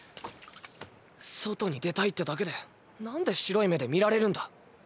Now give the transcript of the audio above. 外に出たいってだけでなんで白い目で見られるんだ。